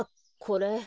これ。